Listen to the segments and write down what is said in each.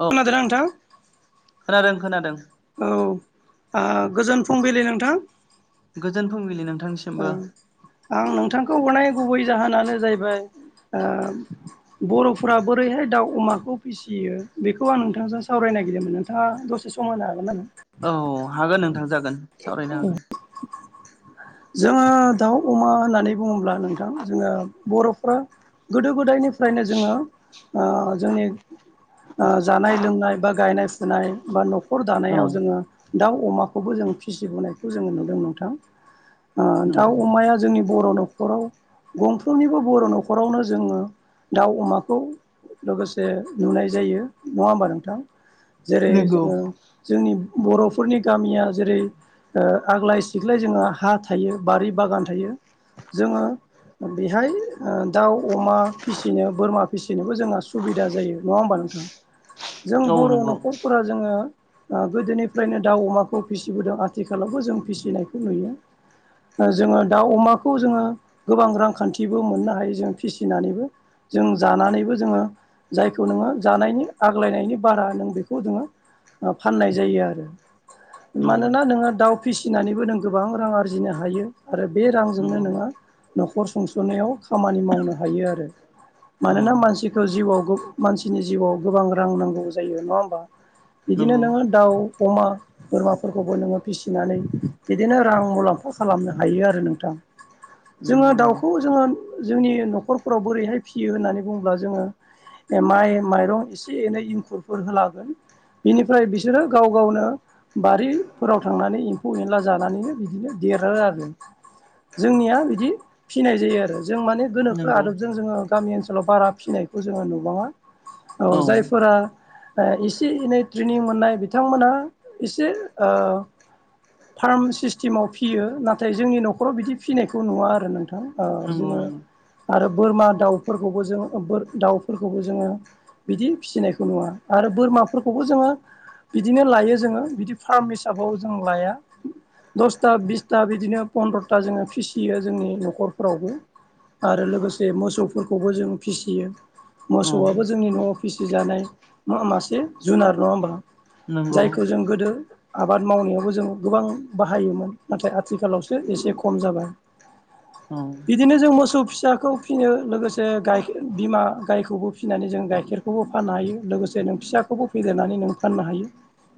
औ खोनादों ना नोंथां? खोनादों खोनादों। औ ओ गोजोन फुंबिलि नोंथां। गोजोन फुंबिलि नों औ आं नोंथांखौ हरनाय गुबै जाहोनानो जाहैबा ओ बर'फोरा बोरैहाय दाउ अमाखौ फिसियो बेखौ आं नोंथांजों सावरायनो नागिरदोंमोन। नोंथांङा दसे सम होनो हागोन ना आंनो? औ हागोन नोंथां जागोन सावरायनो हागोन। जोंङो दाउ अमा होननानै बुङोब्ला नोंथां जोंङो बर'फ्रा गोदो गोदायनि फ्रायनो जोंङो। ओ जोंनि ओ जानाय लोंनाय बा गायनाय फुनाय बा नख नखर औ दानायाव जोंङो दाउ अमाखौबो जों फिसिबोनायखौ जोंङो नुदों नोंथां। ओ दाउ नंगौ अमाया जोंनि बर' न'ख खराव गंफ्रोमनिबो बर' न'खरावनो जोङो दाउ अमाखौ लोगोसे नुनाय जायो नङा होनबा नोंथां? जेरै नंगौ जोङो जोंनि बर'फोरनि गामिया जेरै ओ आग्लाय सिग्लाय जोङो हा थायो, बारि बागान थायो जोङो ओ बेहाय ओ दाउ अमा फिसिनो बोरमा फिसिनोबो जोंहा सुबिदा जायो नङा होमबा नोंथां? जों औ बर' नंगौ न'खरफोरा जोङो ओ गोदोनिफ्रायनो दाउ अमाखौ फिसिबोदों आथिखालावबो जों फिसिनायखौ नुयो। ओ जोङो दाउ अमाखौ जोङो गोबां रांखान्थिबो मोननो हायो जों फिसिनानैबो। जों जानानैबो जोङो जायखौ नोङो जानायनि आग्लायनायनि बारा नों बेखौ नोङो ओ फाननाय जायो आरो। औ मानोना नोङो दाउ फिसिनानैबो नों गोबां रां आरजिनो हायो। आरो बे रांजोंनो नंगौ नोङो न'खर संस'नायाव खामानि मावनो हायो आरो। औ मानोना मानसिखौ जिउआव मानसिनि जिउआव गोबां रां नांगौ जायो नङा होमबा? बिदिनो नंगौ नोङो दाउ, अमा, बोरमाफोरखौबो नोङो फिसिनानै बिदिनो रां मुलाम खौ खालामनो हायो आरो नोंथां। जोङो नंगौ नंगौ दाउखौ जोङो जोंनि न'खरफोराव बोरैहाय फियो होननानै बुङोब्ला जोङो माइ माइरं एसे एनै इंखुरफोर होनांगोन। बिनिफ्राय बिसोरो गाव गावनो बारिफोराव थांनानै एम्फौ एनला जानानैनो बिदिनो देरो आरो जोंनिया बिदि फिनाय जायो आरो। जों माने गोनोखो नंगौ आदबजों जोङो गामि ओनसोलाव बारा फिनायखौ जोङो नुबाङा। औ जायफोरा ओ एसे एनै ट्रेनिं मोन्नाय बिथांमोनहा एसे ओ फार्म सिस्टेमाव फि फियो नाथाय जोंनि न'खराव बिदि फिनायखौ नुवा आरो नोंथां ओ नंगौ जोङो नंगौ आरो बोरमा, दाउफोरखौबो जोङो बोर दाउफोरखौबो जोङो बिदि फिसिनायखौ नुवा आरो बोरमाफोरखौबो जोङो बिदिनो लायो जोङो, बिदि फार्म हिसाबाव जों लाया। थ्रा बिसथा बिदिनो पन्द्र'था जोङो फिसियो जोंनि न'खरफोरावबो। आरो लोगोसे मोसौफोरखौबो जों फिसियो। औ मोसौआबो जोंनि न'आव फिसिजानाय मा मासे जुनार नङा होमबा? नंगौ जायखौ जों गोदो आबाद मावनायावबो जों गोबां बाहायोमोन। नाथाय आथिखालावसो एसे खम जाबाय। उम बिदिनो जों मोसौ फिसाखौ फियो लोगोसे गाइखे बिमा गायखौबो फिनानै जों गाइखेर खौबो फाननो हायो लोगोसे नों फिसाखौबो फेदेरनानै नों फाननो हायो।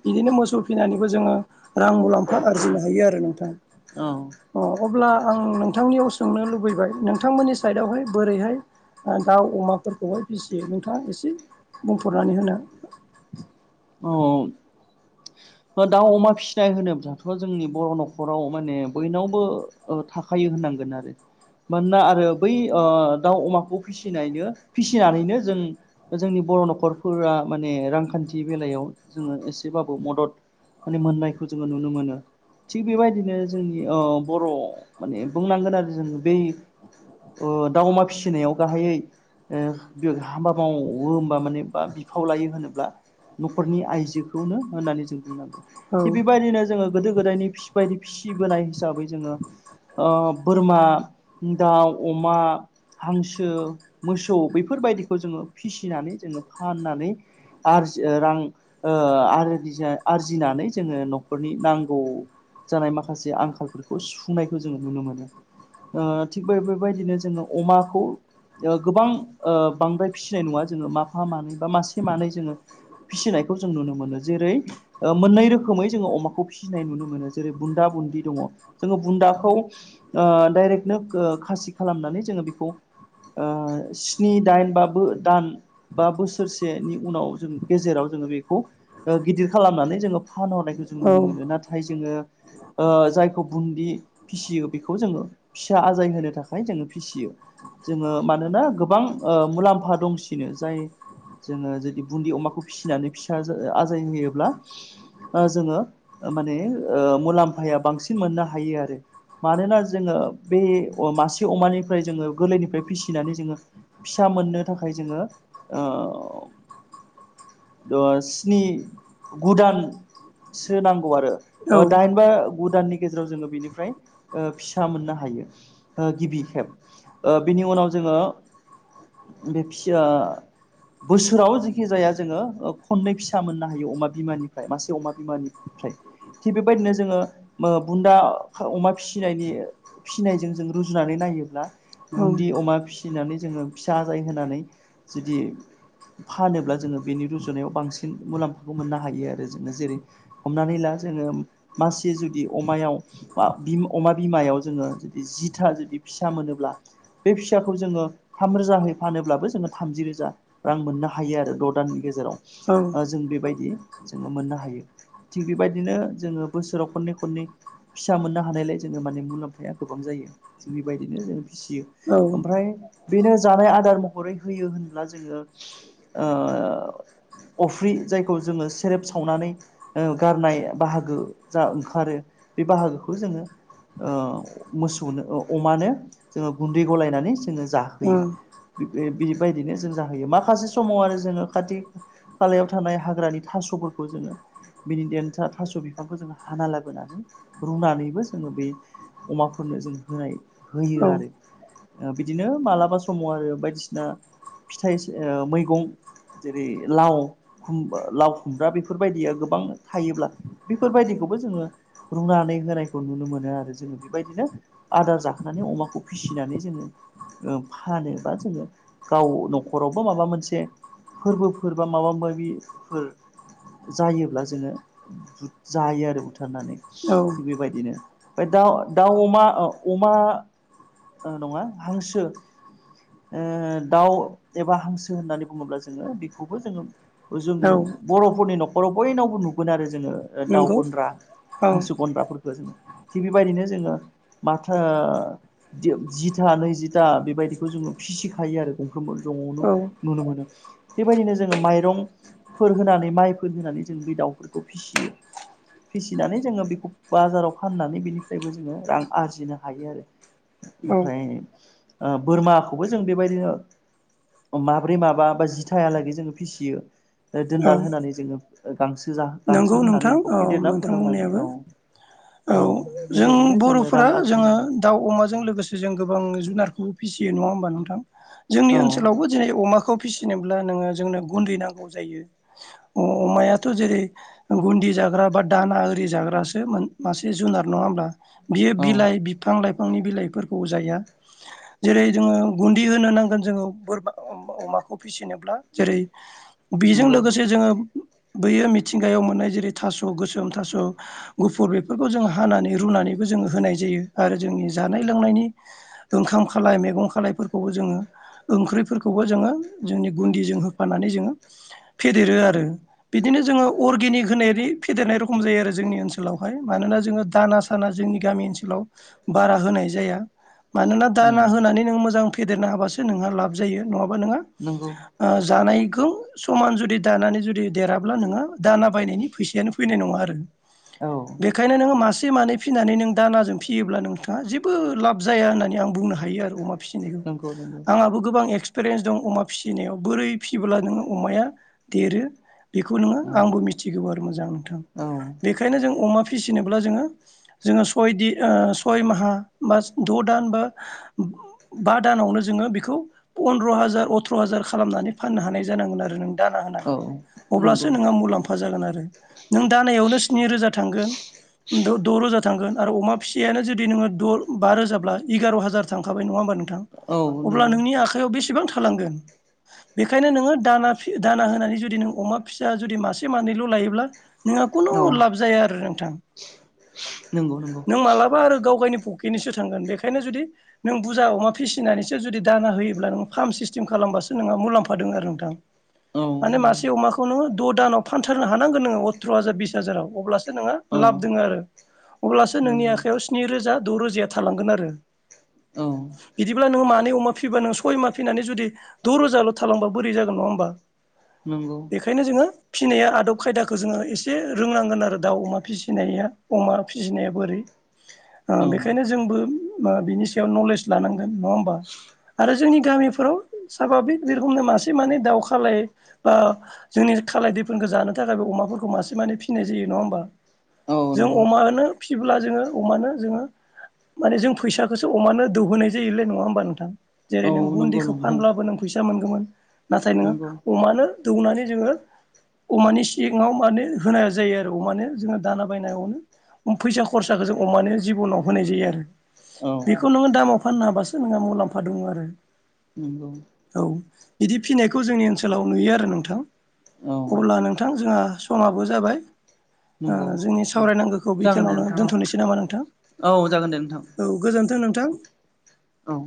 बिदिनो मोसौ फिनानैबो जोङो रां मुलाम्फा आरजिनो हायो आरो नोंथां। ओ अब्ला आं नोंथांनियाव सोंनो लुबैबाय, नोंथांमोननि साइडआवहाय बोरैहाय ओ दाउ अमाफोरखौहाय फिसियो नोंथाङा एसे बुंफोरनानै होदो ओ दाउ अमा फिसिनाय होनोब्लाथ' जोंनि बर' न'खराव माने बयनावबो ओ थाखायो होननांगोन आरो मानोना आरो बै ओ दाउ अमाखौ फिसिनायनो फिसिनानैनो जों जोंनि बर' न'खरफोरा माने रांखान्थि बेलायाव जोङो एसेबाबो मदद माने मोननायखौ जोङो नुनो मोनो। थिग बेबायदिनो जोंनि ओ बर' माने बुंनांगोन आरो जो जोङो बै ओ दाउ अमा फिसिनायाव गाहायै ओ हाबा होमबा माने बा बिफाव लायो होनोब्ला न'खरनि आइजोखौनो होननानै जों बुंनांगोन औ थिग बेबायदिनो जोंङो गोदो गोदायनि फिसि बायदि फिसिबोनाय हिसाबै जोंङो ओ बोरमा, दाउ, अमा हांसो, मोसौ बेफोरबायदिखौ जोंङो फिसिनानै जोंङो फाननानै आरजि रां ओ आरजि आरजिनानै जोंङो नखरनि नांगौ जानाय माखासे आंखालफोरखौ सुफुंनायखौ जोंङो नुनो मोनो। ओ थिग बे बेबायदिनो जोंङो अमाखौ ओ गोबां ओ बांद्राय फिसिनाय नङा जोंङो माफा मानै बा मासे मानै जोंङो फिसिनायखौ जों नुनो मोनो जेरै ओ मोननै रोखोमै जोंङो अमाखौ फिसिनाय नुनो मोनो जेरै बुन्दा बुदि दङ जोंङो बुन्दाखौ ओ डाइरेक्टनो ओ खासि खालामनानै जोंङो बिखौ ओ स्नि दाइन बाबो दान बा बोसोरसे नि उनाव जों गेजेराव जोंङो बेखौ ओ गिदिर खालामनानै जोङो फानहरनायखौ जों औ नुनो मोनो नाथाय जोङो ओ जायखौ बुन्दि फिसियो बेखौ जोङो फिसा आजाय होनो थाखाय जोङो फिसियो। जोङो मानोना गोबां ओ मुलाम्फा दंसिनो जाय जोङो जुदि बुन्दि अमाखौ फिसिनानै फिसा आजाय होयोब्ला ओ जोङो ओ माने मुलाम्फाया बांसिन मोननो हायो आरो। मानोना जोङो बे अ मासे अमानिफ्राय जोङो गोरलैनिफ्राय फिसिनानै जोङो फिसा मोननो थाखाय जोङो ओ द' स्नि गुदान सो नांगौ आरो ओ औ दाइन बा गुदाननि गेजेराव जोङो बेनिफ्राय ओ फिसा मोननो हायो ओ गिबि खेब ओ बिनि उनाव जोङो बे फिसा बोसोराव जिखिजाया जोङो ओ खनै फिसा मोननो हायो अमा बिमानिफ्राय मासे अमा बिमानिफ्राय थिग बेबायदिनो जोङो मो बुन्दा अमा फिसिनायनि फिसिनायजों जों रुजुनानै नायोब्ला औ बुन्दि अमा फि फिसिनानै जोङो फिसा आजाय होनानै जुदि फानोब्ला जोङो बेनि रुजुनायाव बांसिन मुलाम्फाखौ मोननो हायो आरो जोङो जेरै हमनानै ला जोङो मासे जुदि अमायाव अमा बिमायाव जोङो जुदि जिथा जुदि फिसा मोनोब्ला बे फिसाखौ जोङो थाम रोजाहै फानोब्लाबो जोङो थामजि रोजा रां मोननो हायो आरो द' दाननि गेजेराव ओ औ जों बेबायदि जोङो मोननो हायो। थिग बेबायदिनो जोङो बोसोराव खननै खननै फिसा मोननो हानायलाय जोङो माने मुलाम्फाया गोबां जायो जों बेबायदिनो जों फिसियो। औ ओमफ्राय बेनो जानाय आदार महरै होयो होनब्ला जोङो ओ अफ्रि जायखौ जोङो सेरेब सावनानै ओ गारनाय बाहागो जा ओंखारो बे बाहागोखौ जोङो ओ मोसौनो अमानो जोङो गुन्दै गलायनानै जोङो औ जाहोयो। बे बिनिफायदिनो जों जाहोयो माखासे समाव आरो जोङो खाथि खालायाव थानाय हाग्रानि थास'फोरखौ जोङो बिनि देन्था थास' बिफांखौ जोङो हाना लाबोनानै रुनानैबो जोङो बे अमाफोरनो जों होनाय होयो औ आरो। बिदिनो मालाबा समाव आरो बायदिसिना फिथाइसो ओ मैगं जेरै लाव खुम लाव खुमब्रा बेफोरबायदिया गोबां थायोब्ला बेफोरबायदिखौबो जोङो रुनानै होनायखौ नुनो मोनो आरो जोङो बेबायदिनो आदार जाखोनानै अमाखौ फिसिनानै जोङो ओ फानोबा जोङो गाव न'खरावबो माबा मोनसे फोरबोफोर बा माबा माबिफोर जायोब्ला जोङो जायो आरो बुथारनानै। औ बेबायदिनो फाय दा दाउ, अमा अ अमा ओ नङा हांसो ओ दाउ एबा हांसो होननानै बुङोब्ला जोङो बेखौबो जोङो ओजों औ बर'फोरनि न'खराव बयनावबो नुगोन आरो जोङो। ओ दाउ नंगौ गन्द्रा, औ हांसो औ गन्द्राफोरखो जोङो। थिग बेबायदिनो जोङो माथो जिथा नैजिथा बेबायदिखौ जोङो फिसिखायो आरो गंफ्रोमबो न'आवनो औ नुनो मोनो बेबायदिनो जोङो माइरं फोर होनानै माइफोर होनानै जों बे दाउफोरखौ फिसियो। फिसिनानै जोङो बेखौ बाजाराव फाननानै बेनिफ्रायबो जोङो रां आरजिनो हायो आरो। ओमफ्राय औ ओ बोरमाखौबो जों बेबायदिनो माब्रै माबा बा जि थाहालागै जोङो फिसियो ओ दोनदाल होनानै जोङो गांसो नंगौ जा-गांसो नोंथां होनानै बेखौ औ फेदेरना नोंथां फोलावनानै बुंनायाबो औ औ जों बेबायदिनो जोङो बर'फोरा रां आरजिनो जोङो मोनो दाव अमाजों लोगोसे जों गोबां जुनारखौबो फिसियो नङा होमबा नोंथां जोंनि ओनसोलावबो दिनै अमा बेखौ फिसिनोब्ला नोङो जोंनो गुन्दै नांगौ जायो अमायाथ' जेरै गुन्दि जाग्रा बा दाना ओरि जाग्रासो मासे जुनार नङा होमब्ला बियो औ बिलाइ बिफां लाइफांनि बिलाइफोरखौ जाया। जेरै जोङो गुन्दि होनो नांगोन जोङो बोरमा अमाखौ फिसिनोब्ला जेरै बेजों नंगौ लोगोसे जोङो बैयो मिथिंगायाव मोननाय जेरै थास' गोसोम थास' गुफुर बेफोरखौ जों हानानै रुनानैबो जोङो होनाय जायो आरो जोंनि जानाय लोंनायनि ओंखाम खालाय मैगं खालायफोरखौबो जोङो ओंख्रिफोरखौबो जोङो जोंनि गुन्दिजों होफानानै जोङो फेदेरो आरो बिदिनो जोङो अर्गेनिक होनाय फेदेरनाय रखम जायो आरो जोंनि ओनसोलावहाय मानोना जोङो दाना साना जोंनि गामि ओनसोलाव बारा होनाय जाया। मानोना दाना औ होनानै नोङो मोजां फेदेरनो हाबासो नोंहा लाब जायो नङाबा नोंङो नंगौ ओ जानायखौ समान जुदि दानानै जुदि देराब्ला नोङो दाना बायनायनि फैसायानो फैनाय नङा आरो। औ बेखायनो नोङो मासे मानै फिसिनानै नों दानाजों फियोब्ला नोंथाङा जेबो लाब जाया होननानै आं बुंनो हा यो आरो अमा फिसिनायखौ नंगौ नंगौ आंहाबो गोबां इक्सफिरेन्स दं अमा फिसिनायाव बोरै फिसियोब्ला नोङो अमाया देरो बेखौ नोङो औ आंबो मिथिगौ आरो मोजां नोंथां औ बेखायनो जों अमा फिसिनोब्ला जोङो जोङो सय दिन सय माहा बा द' दान बा बा दानावनो जोङो बेखौ पन्द्र' हाजार अथ्र' हाजार खालामनानै फाननो हानाय जानांगोन आरो नों दाना होनानै औ अब्लासो नंगौ नोंहा मुलाम्फा जागोन आरो नों दानायावनो स्नि रोजा थांगोन द-द' रोजा थांगोन आरो अमा फिसियानो जुदि नोङो द' बा रोजाब्ला एगार' हाजार थांखाब नङा होमबा नों औ अब्ला नंगौ नोंनि आखाइ आखायाव बेसेबां थालांगोन बेनिखायनो नोङो दाना दाना होनानै जुदि अमा फि फिसा जुदि मासे मानैल' लायोब्ला नोंहा खुनु औ लाब जाया आरो नोंथां नंगौ नंगौ नों मालाबा आरो गाव गावनि फ केदनिसो थांगोन बेखायनो जुदि नों बुरजा अमा फिसिनानैसो जुदि दाना होयोब्ला नों फार्म सिस्टेम खालामबासो नोंहा मुलाम्फा दङ आरो नोंथां। औ माने नंगौ मासे अमाखौ नोङो द' दानाव फानथारनो हानांगोन नोङो अथ्र' हाजार बिस हाजाराव अब्लासो नोंहा औ लाब दङ आरो अब्लासो नोंनि नंगौ आखायाव स्नि रोजा द' रोजाया थालांगोन आरो। औ बिदिब्लाब्ला नोङो मानै अमा फिबा नों सय मा फिनानै जुदि द' रोजाल' थालांबा बोरै जागोन नङा होमबा नोंगौ। ओंखायनो जोङो फिसिनाया आदब खायदाखौ जोङो एसे रोंनांगोन आरो दाउ अमा फिसिनाया। अमा फिसिनाया बोरै ओ औ बेखायनो जोंबो ओ बिनि याव नलेज लानांगोन नङा होमबा? आरो जोंनि गामिफोराव साभाबिक बे रखमनो मासे मानै दाउ खालाय ओ जोंनि खालाय दैफोनखौ जानो थाखाय बे अमाफोरखौ मासे माने फिसिनाय जायो नङा होमबा? औ जों नंगौ अमानो फिब्ला जोङो अमानो जोङो माने जों फैसाखौसो अमानो दौहोनाय जायोलै नङा होमबा नोंथां? औ जेरै नों नंगौ गुन्दैखौ नंगौ फानब्लाबो नों फैसा मोनगौमोन, नाथाय नोङो नंगौ अमानो दौनानै जोङो अमानि सिङाव माने होनाया जायो आरो अमानो जोङो दाना बायनायावनो। फैसा खरसाखौ जों अमानो जिबनाव होनाय जायो आरो। औ बेखौ नोङो दामाव फाननो हाबासो नोंहा मुलाम्फा दङ आरो। नोंगौ। औ बिदि फिनायखौ जोंनि ओनसोलाव नुयो [unintelligible] नोंथां औ अब्ला नोंथां जोंहा समाबो जाबाय। ओ नंगौ जोंनि औ सावरायनांगौ खौ जागोन दे बेखिनियावनो नोंथां दोन्थ'नोसै नामा नोंथां औ औ जागोन दे नोंथां औ गोजोनथों नोंथां। औ।